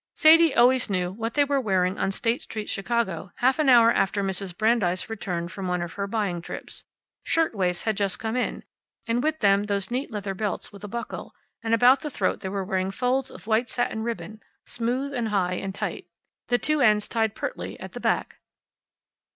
Sadie always knew what they were wearing on State Street, Chicago, half an hour after Mrs. Brandeis returned from one of her buying trips. Shirtwaists had just come in, and with them those neat leather belts with a buckle, and about the throat they were wearing folds of white satin ribbon, smooth and high and tight, the two ends tied pertly at the back.